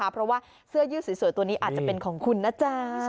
เพราะว่าเสื้อยืดสวยตัวนี้อาจจะเป็นของคุณนะจ๊ะ